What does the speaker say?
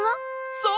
そう！